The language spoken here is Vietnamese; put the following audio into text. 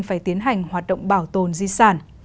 phải tiến hành hoạt động bảo tồn di sản